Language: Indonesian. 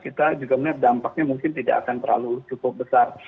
kita juga melihat dampaknya mungkin tidak akan terlalu cukup besar